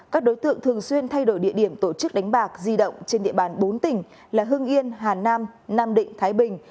các đối tượng thường xuyên thay đổi địa điểm tổ chức đánh bạc di động trên địa bàn bốn tỉnh là hương yên hà nam nam định thái bình